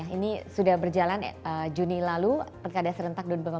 ini sudah berjalan juni lalu pilkada serentak dua ribu delapan belas